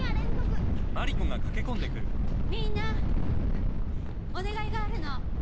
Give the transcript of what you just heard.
みんなお願いがあるの。